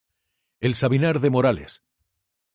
El Sabinar de Morales.